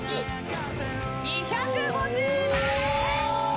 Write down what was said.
２５７点。